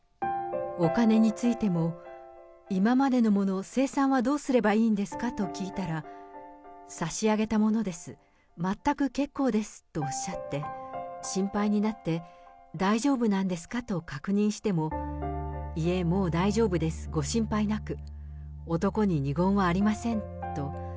お金についても、今までのもの、清算はどうすればいいんですかと聞いたら、差し上げたものです、全く結構ですとおっしゃって、心配になって、大丈夫なんですかと確認しても、いえ、もう大丈夫です、ご心配なく、男に二言はありませんと。